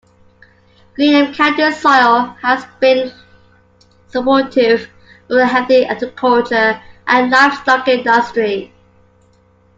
Greenup County's soil has long been supportive of a healthy agriculture and livestock industry.